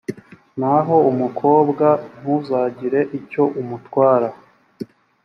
naho umukobwa, ntuzagire icyo umutwara,